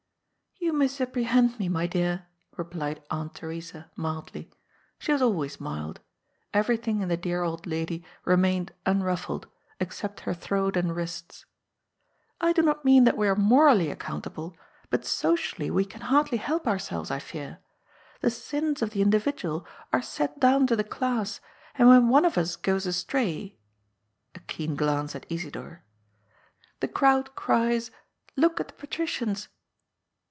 " You misapprehend me, my dear," replied Aunt Theresa mildly. She was always mild. Eyerything in the dear old lady remained unruffled, except her throat and wrists. " I do not mean that we are morally accountable, but socially we can hardly help ourselyes, I fear. The sins of the indi yidual are set down to the class, and when one of us goes astray "— ^a keen glance at Isidor —^" the crowd cries :* Look at the Patricians